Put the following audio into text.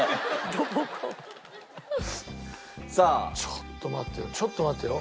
ちょっと待ってよちょっと待ってよ。